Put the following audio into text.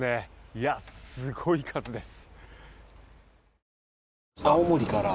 いや、すごい数です。